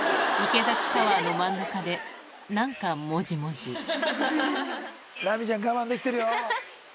池崎タワーの真ん中で何かもじもじラミちゃん我慢できてるよ。